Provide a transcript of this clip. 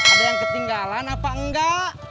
ada yang ketinggalan apa enggak